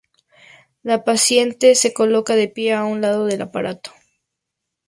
La paciente se coloca de pie, a un lado del aparato.